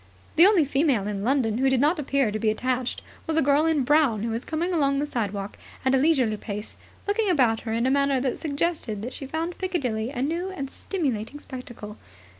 The only female in London who did not appear to be attached was a girl in brown who was coming along the sidewalk at a leisurely pace, looking about her in a manner that suggested that she found Piccadilly a new and stimulating spectacle.